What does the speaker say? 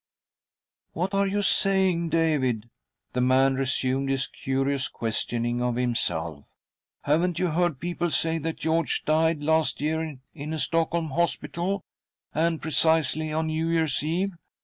" What are you saying, David ?" The mart resumed his curious questioning of himself. "Haven't you heard people say that .George died last year in a Stockholm hospital, and , precisely on New Year's Eve?